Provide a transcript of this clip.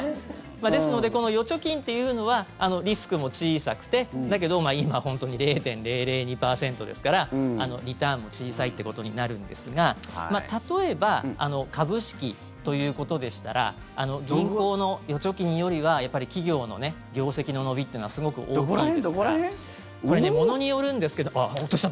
ですのでこの預貯金っていうのはリスクも小さくて、だけど今本当に０．００２％ですからリターンも小さいってことになるんですが例えば株式ということでしたら銀行の預貯金よりはやっぱり企業のね業績の伸びってのはすごく大きいですからこれ、ものによるんですけど。